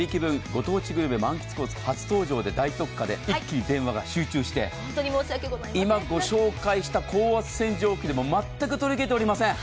ご当地グルメ満喫コース、初登場で大特価で一気に電話が集中して今、ご紹介した高圧洗浄機でも全く取りきれておりません。